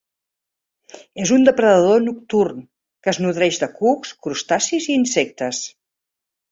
És un depredador nocturn que es nodreix de cucs, crustacis i insectes.